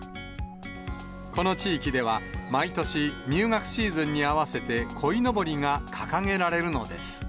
この地域では、毎年、入学シーズンに合わせてこいのぼりが掲げられるのです。